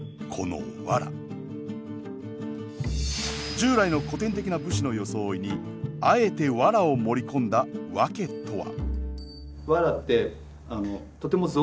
従来の古典的な武士の装いにあえてワラを盛り込んだ訳とは？